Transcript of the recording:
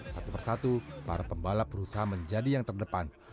satu persatu para pembalap berusaha menjadi yang terdepan